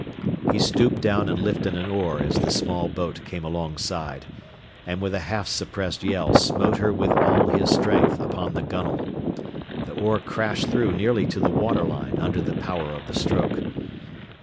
He stooped down and lifted an oar as the small boat came alongside, and with a half suppressed yell smote her with all his strength upon the gunwale. The oar crashed through nearly to the water line under the power of the stroke.